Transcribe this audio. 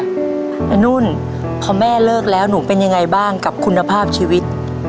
ไอ้นุ่นพอแม่เลิกแล้วหนูเป็นยังไงบ้างกับคุณภาพชีวิต